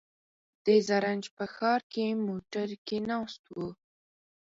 د زرنج په ښار کې موټر کې ناست و.